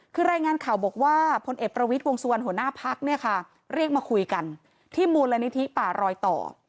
คือรายงานข่าวบอกว่าพลเอกประวิทย์วงสุวรรณหัวหน้าพักเนี่ยค่ะเรียกมาคุยกันที่มูลนิธิป่ารอยต่อ